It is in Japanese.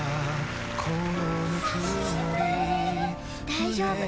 大丈夫。